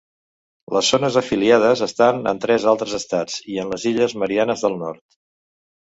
Les zones afiliades estan en tres altres estats i en les illes Mariannes del nord.